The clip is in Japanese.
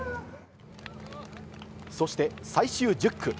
そして、最終１０区。